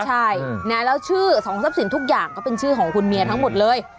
ใช่แล้วชื่อสองทรัพย์สินทุกอย่างก็เป็นชื่อของคุณเมียทั้งหมดเลย